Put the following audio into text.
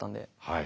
はい。